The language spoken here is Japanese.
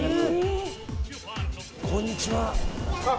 ・こんにちは。